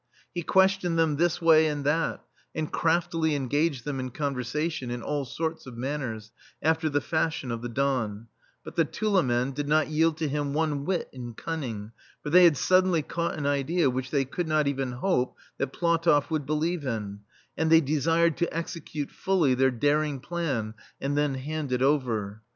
He questioned them this way and that, and craftily engaged them in conversation in all sorts of manners, after the fashion of the Don ; but the Tulamen did not yield to him one whit in cunning, for they had suddenly caught an idea which they could not even hope that PlatoflFwould believe in, and they desired to execute fully their daring plan, and then hand it over.